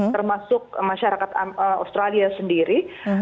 termasuk masyarakat australia sendiri